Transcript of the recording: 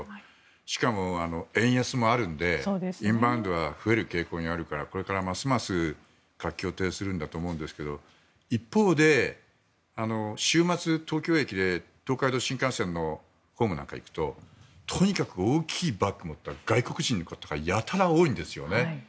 しかも、円安もあるんでインバウンドが増える傾向にあるからこれからますます活況を呈するんだと思いますけど一方で週末、東京駅で東海道新幹線なんかのホームに行くととにかく大きいバッグを持った外国人の方がやたら多いんですよね。